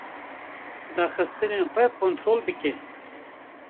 Daxistinên xwe kontol bike.